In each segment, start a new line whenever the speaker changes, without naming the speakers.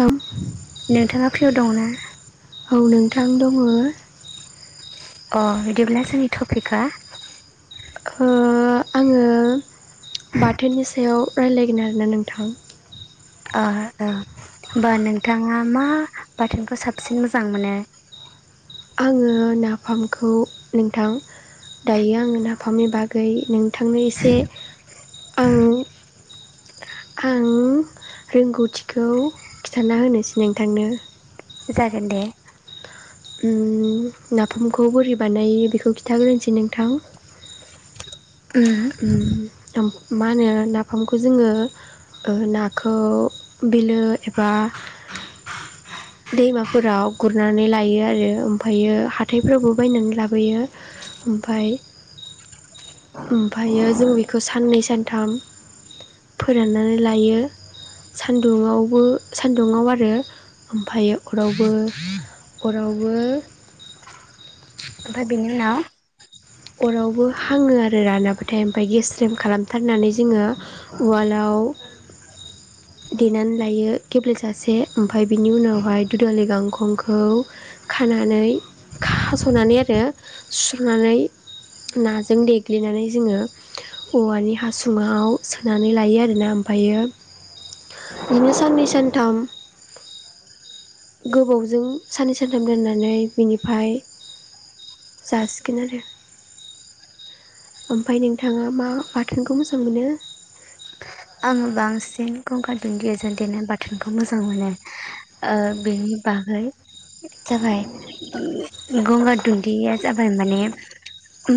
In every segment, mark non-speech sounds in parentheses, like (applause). औ
नोंथाङा फ्रिआव दङोना।
औ नोंथां दङो।
अ बिदिब्ला जोंनि टपिकआ।
ओ आङो। उम बाथोननि सायाव राय्लायगोन आरोना नोंथां।
ओ ओ होमबा नोंथाङा मा बाथोनखौ साबसिन मोजां मोनो। (inaudible)
आङो नाफारामखौ नोंथां। दायो आङो नाफामनि बागै नोंथांनो एसे आं। आं रोंगौथिखौ खिन्थाना होनोसै नोंथांनो।
जागोन दे।
उम नाफामखौ बोरै बानायो बेखौ खिन्थाग्रोनोसै नोंथां।
(unintelligible)
उम मा होनो नाफामखौ जोङो। ओ नाखौ बिलो एबा।
(unintelligible)
दैमाफोराव गुरनानै लायो आरो ओमफ्रायो हाथायफोरावबो बायनानै लाबोयो ओमफाय ओमफ्रायो फोराननानै लायो सानदुंङावबो सान् ओमफायो अरावबो अरावबो।
ओमफाय बिनो उनाव
अरावबो हाङो आरो रानाबाथाय ओमफफ्राय गेस्रेम खालामथारनानै जोङो उवालाव
(inaudible)
देनानै लायो गेब्ले जासे ओमफाय बिनि उनावहाय दुदालि गांखंखौ खा। खानानै खास'नानै आरो सुस्र'नानै नाजों देग्लिनानै जोङो औवानि हासुङाव सोनानै लायो आरोना ओमफायो बिदिनो साननै सानथाम। गोबावजों साननै सानथाम दोननानै बिनिफ्राय। जासिगोन आरो ओमफाय नोंथाङा मा बाथोनखौ मोजां मोनो।
आं बांसिन। गंगार दुन्दियाजों देनाय बाथोनखौ मोजां मोनो ओ बेनि बागै। जाबाय। गंगार दुदिया जाबाय माने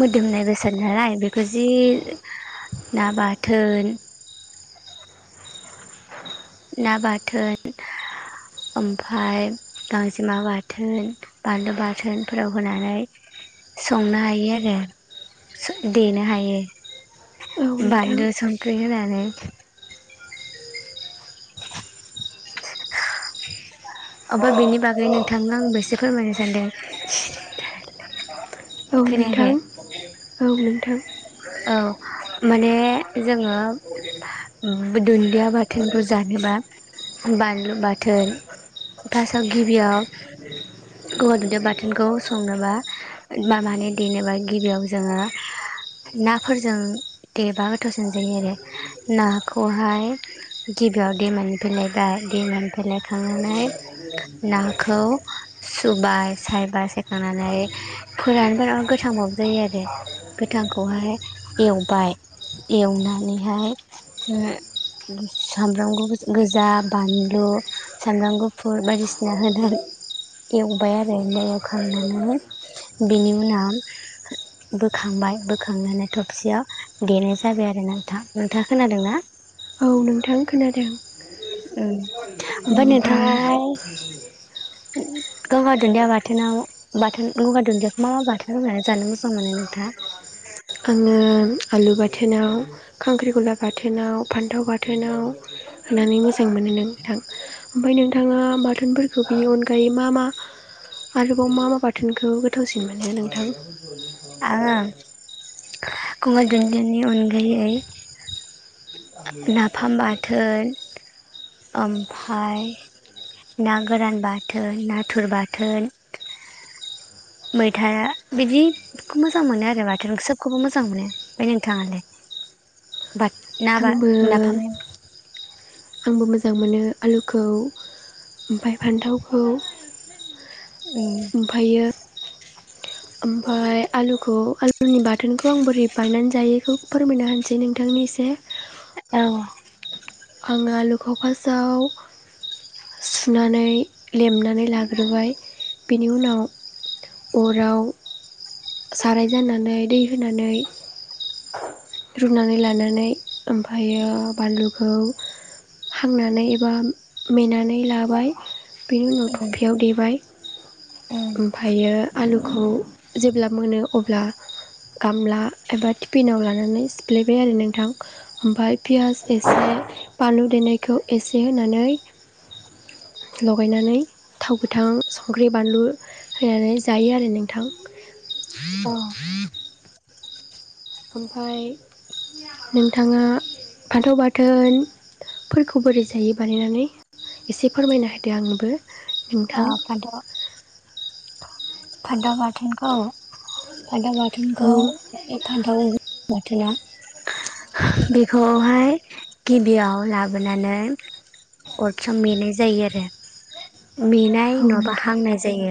मोदोमनाय बेसाद नालाय बे ना बाथोन ना बाथोन ओमफाय गांजेमा बाथोन बानलु बाथोनफोराव होनानै संनो हायो आरो देनो हायो।
औ नोंथां
बानलु संख्रि होनानै ओमफ्राय बिनि बागैनो नोंथांनो आंबो एसे फोरमायनो सानदों।
औ नोंथां
खोनायाखै
औ नोंथां
औ। माने जोङो दुन्दिया बाथोनखौ जानोबा बानलु बाथोन फासाव गिबियाव गंगार दुब्लिया बाथोनखौ संनोबा माबानो देनोबा गिबियाव नाफोरजों देबा गोथावसिन जायो आरो नाखौहाय गिबियाव दैमानिफाय लायबाय दैमानिफाय लायखांनानै नाखौ सुबाय सायबाय सायखांनानै फोरानो गोथांबाबो जायो आरो गोथां खौहाय एवबाय एवनानैहाय म सामब्राम गोजा बानलु सामब्राम (unintelligible) (inaudible) एवबाय आरो ओमफ्राय एवखांनानै बेनि उनाव बोखांबाय बोखांनानै थबसियाव देनायजाबाय आरोना नोंथाङ नोंथाङा खोनादों ना?
औ नोंथां खोनादों।
उम ओमफ्राय नोंथां।
(inaudible)
(inaudible) गंगार दुन्दिया बाथोनाव बाथोन गंगार दुन्दियाखौ मा मा बाथोनाव होननानै जानो मोजां मोनो नोंथाङा? (inaudible)
(inaudible) होनानै मोजां मोनो नोंथां ओमफ्राय नोंथाङा बाथोनफोरखौ बिनि अनगायै मा मा आरोबाव मा मा बाथोनखौ गोथावसिन मोनो नोंथां?
आङो गंगार दुनदिनि अनगायै नाफाम बाथोन ओमफाय नागोरान बाथोन नाथुर बाथोन मैथा बिदिखौ मोजां मोनो आरो बाथोन सबखौबो मोजां मोनो। ओमफाय नोंथाङालाय?
आंबो
(unintelligible) नाफाम
आंबो मोजां मोनो आलुखौ ओमफाय फान्थावखौ ओमफायो ओमफाय आलुखौ आलु आंनि बाथोनखौ आं बोरै बानायनानै जायो बेखौ फोरमायना होनसै नोंथांनो एसे
औ
आं आलुखौ फासआव सुनानै लेमनानै लाग्रोबाय बिनि उनाव अराव साराय जानानै दै होनानै
(inaudible)
रुनानै लानानै ओमफायो बानलुखौ हांनानै एबा मेनानै लाबाय। बेनि उनाव थफियाव देबाय ओमफायो आलुखौ जेब्ला मोनो अब्ला गामला एबा टिफिनाव लानानै सिफ्लेबाय आरो नोंथां ओमफाय पियास एसे बानलु देनायखौ एसे होनानै लगायनानै थावगोथां संख्रि बानलु होनानै जायो आरो नोंथां
औ
(unintelligible) ओमफ्रायाय नोंथाङा फान्थाव बाथोन फोरखौ बोरै जायो बानायनानै एसे फोरमायना होदो आंबो
आ (unintelligible) फान्थाव बाथोनखौ फान्थाव
औ
बाथोनखौ बे फान्थाव बाथोना बेखौहाय गिबियाव लाबोनानै अरखिआव मेनाय जायो आरो मेनाय
औ
नङाबा
नोंथां
हांनाय जायो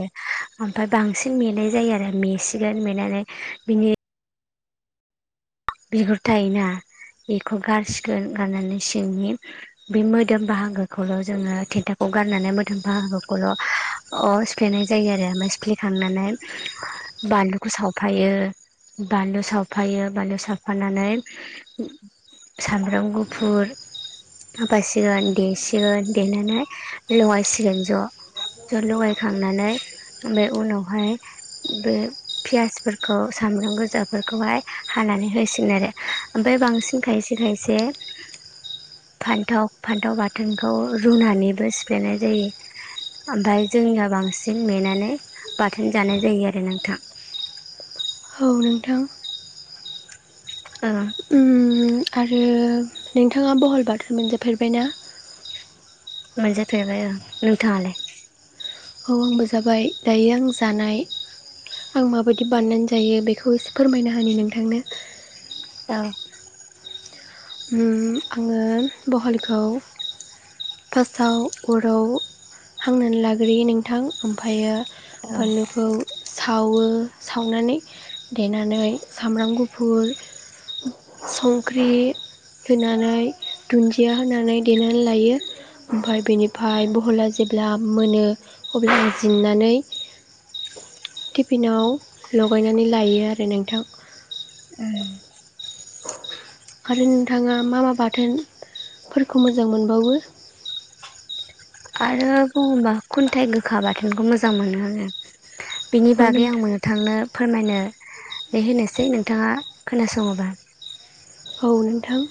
ओमफ्राय बांसिन मेनाय जायो आरो मेसिगोन मेनानै बिनि बेगुर थायो ना बेखौ गारसिगोन गारनानै सिंनि बे मोदोम बाहागोखौल' जोंङो थेथाखौ गारनानै मोथांफाहागोखौल' सिफ्लेनाय जायो आरो ओमफ्राय सिफ्लेखांनानै बानलुखौ सावफायो बानलु सावफायो बानलु साव फानानै सामब्राम गुफुर होफासिगोन देसिगोन देनानै लगायसिगोन ज' ज लगायखांनानै आमफाय उनावहाय बे फियासफोरखौ सामब्राम गोजाफोरखौहाय हानानै होसि गोन आरो ओमफ्राय बांसिन खायसे खायसे फान्थाव फान्थाव बाथोनखौ रुनानैबो सिफ्लेनाय जायो। ओमफ्राय जोंनिया बांसिन नेेनानै बाथोन जानाय जायो आरो नोंथां। (inaudible) (inaudible)
औ नोंथां
ओ
ओम आरो नोंथाङा बहल बाथोन मोनजाफेरबायना?
मोनजा फेरबाय आं। नोंथाङालाय?
औ आंबो जाबाय दायो आं जानाय आं माबायदि बानायनानै जायो बेखौ एसे फोरमायना होनि नोंथांनो
औ
ओम आंङो बहलखौ फार्स्टआव अराव हांनानै लाग्रोयो नोंथां ओमफ्रायो
औ
बानलुखौ सा सावो सावनानै देनानै सामब्राम गुफुर संख्रि होनानै दुन्दिया होनानै देनानै लायो ओमफफ्राय बेनिफ्राय बहला जेब्ला मोनो अब्ला आं जिन्नानै टिफिनाव लगायनानै लायो आरो नोंथां
(inaudible)
आरो नोंथाङा मा मा बाथोनफोरखौ मोजां मोनबावो?
आरो बुङोबा खुन्थाइ गोखा बाथोनखौ मोजां मोनो आङो बिनि
औ
बागै आं
नोंथां
मोननो थांनो फोरमायनो बे होनोसै नोंथाङा खोनासङोबा
औ नोंथां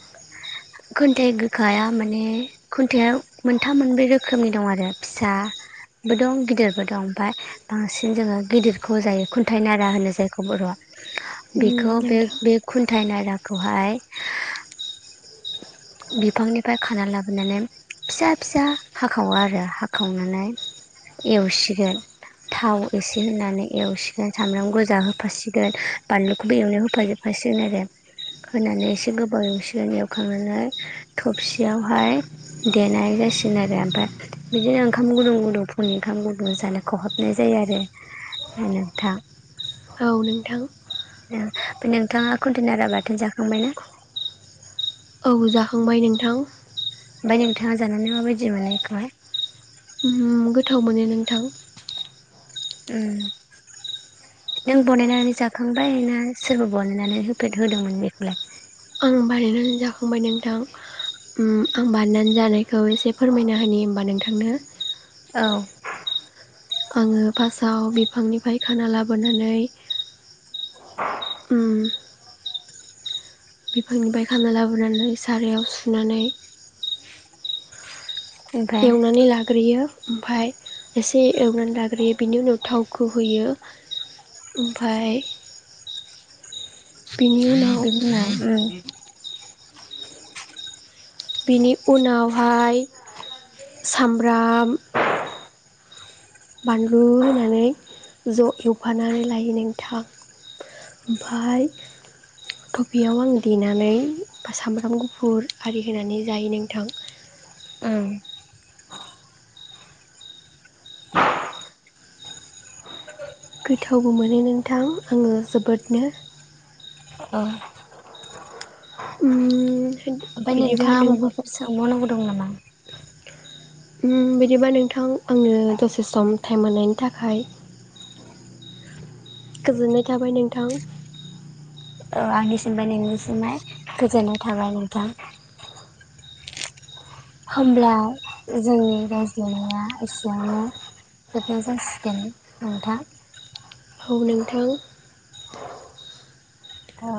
खुन्थाइ गोखाया माने खुन्थाइआ मोनथाम मोनब्रै रोखोमनि दं आरो फिसा बो दं गिदिरबो दं ओमफफ्राय बांसिन जोङो गिदिरखौ जायो खुन्थाइ नारा होनो जायखौ बर'आ
उम
बेखौ बे
नोंथां
बे खुन्थाइ नाराखौहाय (inaudible) बिफांनिफ्राय खाना लाबोनानै फिसा फिसा हाखावो आरो हाखावनानै एवसिगोन थाव एसे होनानै एवसिगोन सामब्राम गोजा होफासिगोन बानलुखौबो एवनायाव होफाजोबफासिगोन सिगोन आरो खोनानायाव एसे गोबाव सिगोन सुखांनानै थबसियावहाय देनाय जासिगोन आरो ओमफ्राय बिदिनो ओंखाम गुदुं गुदुं फुन ओंखाम गुदुं जानो खहाबनाय जायो आरो नोंथां।
औ नोंथां।
औ ओमफ्राय नोंथाङा कुन्टेनारा बाथोन जाखांबाय ना?
औ जाखांबाय नोंथां।
ओमफ्राय नोंथाङा जानानै माबायदि मोनो बेखौहाय?
ओम गोथाव मोनो नोंथां।
उम। नों बानायनानै जाखांबाय ना सोरबा बानायनानै होफेद होदोंमोन बेखौलाय?
आं बानायनानै जाखांबाय नोंथां। ओम आं बानायनानै जानायखौ एसे फोरमायना होनि होमबा नोंथांनो।
औ।
आङो फार्स्टआव बिफांनिफ्राय खाना लाबोनानै ओम बिफांनिफ्राय खाना लाबोनानै सारायाव सुनानै
ओमफ्राय
एवनानै लाग्रोयो। ओमफाय एसे एवनानै लाग्रोयो बिनि उनाव थावखौ होयो। ओमफाय बेनि
बिनि उम
उनाव। बेनि उनावहाय सामब्राम बानलु होननानै ज' एवफानानै लायो नोंथां। ओमफाय थपफियाव आं देनानै सामब्राम गुफुर आरि होनानै जायो नोंथां।
ओ
गोथावबो मोनो नोंथां आङो जोबोदनो।
औ
उम
ओमफाय
बिदिबा
नोंथाङा
नों
मबाफोर सोंबावनांगौ दं नामा?
ओम बिदिबा नोंथां आंनो दसे सम टाइम होननायनि थाखाय गोजोननाय थाबाय नोंथां।
औ आंनिसिमबो नोंनिसिमहाय गोजोननाय थाबाय नोंथां। होमब्ला जोंनि रायज्लायनाया एसेयावनो दोनथनाय जासिगोन नोंथां।
औ नोंथां।
औ।